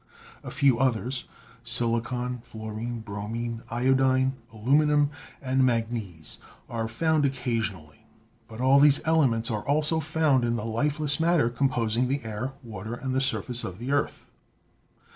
A few others, silicon, fluorine, bromine, iodine, aluminium and manganese are found occasionally. But all these elements are also found in the lifeless matter com posing the air, water and the surface of the earth.